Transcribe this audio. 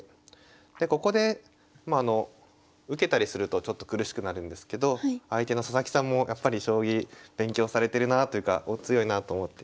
でここでまああの受けたりするとちょっと苦しくなるんですけど相手の佐々木さんもやっぱり将棋勉強されてるなというかお強いなと思って。